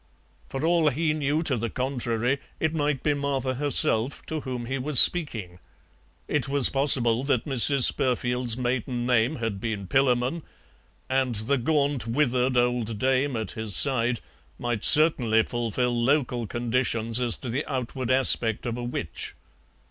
For all he knew to the contrary, it might be Martha herself to whom he was speaking. It was possible that Mrs. Spurfield's maiden name had been Pillamon. And the gaunt, withered old dame at his side might certainly fulfil local conditions as to the outward aspect of a witch.